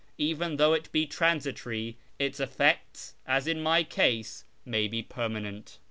Even though it be transitory, its effects (as in my case) may be permanent.